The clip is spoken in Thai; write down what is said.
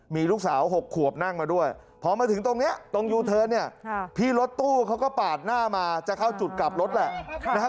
มีลูกสาว๖ขวบนั่งมาด้วยพอมาถึงตรงนี้ตรงยูเทิร์นเนี่ยพี่รถตู้เขาก็ปาดหน้ามาจะเข้าจุดกลับรถแหละนะครับ